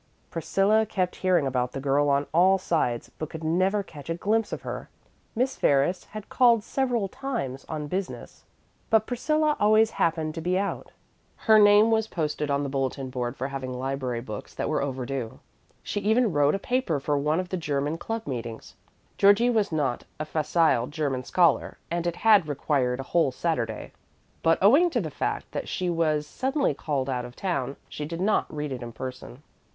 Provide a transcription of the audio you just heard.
Priscilla kept hearing about the girl on all sides, but could never catch a glimpse of her. Miss Ferris called several times on business, but Priscilla always happened to be out. Her name was posted on the bulletin board for having library books that were overdue. She even wrote a paper for one of the German Club meetings (Georgie was not a facile German scholar, and it had required a whole Saturday); but owing to the fact that she was suddenly called out of town, she did not read it in person.